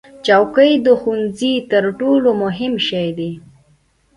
چوکۍ د ښوونځي تر ټولو مهم شی دی.